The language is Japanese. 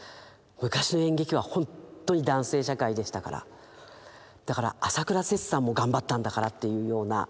昔の演劇はほんとに男性社会でしたからだから朝倉摂さんも頑張ったんだからというような心の支えでしたね。